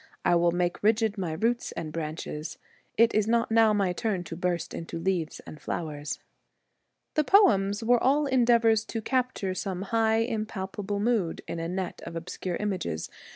I will make rigid my roots and branches. It is not now my turn to burst into leaves and flowers.' The poems were all endeavours to capture some high, impalpable mood in a net of obscure images.